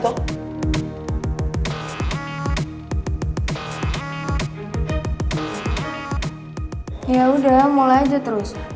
ya udah mulai aja terus